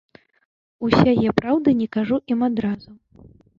Усяе праўды не кажу ім адразу.